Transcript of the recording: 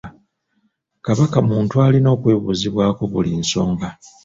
Kabaka muntu alina okwebuuzibwako buli nsonga.